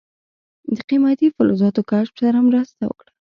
د قیمتي فلزاتو کشف سره مرسته وکړه.